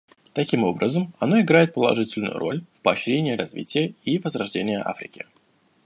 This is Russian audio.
Таким образом, оно играет положительную роль в поощрении развития и возрождении Африки.